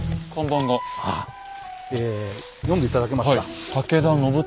読んで頂けますか？